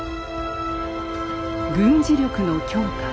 軍事力の強化。